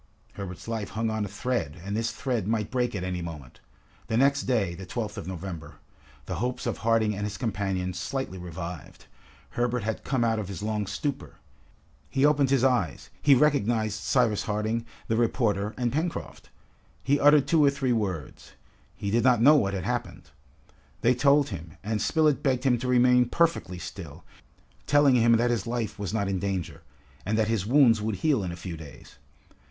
Herbert's life hung on a thread, and this thread might break at any moment. The next day, the 12th of November, the hopes of Harding and his companions slightly revived. Herbert had come out of his long stupor. He opened his eyes, he recognized Cyrus Harding, the reporter, and Pencroft. He uttered two or three words. He did not know what had happened. They told him, and Spilett begged him to remain perfectly still, telling him that his life was not in danger, and that his wounds would heal in a few days.